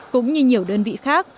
cũng như nhiều đơn vị khác